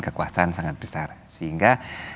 kekuasaan sangat besar sehingga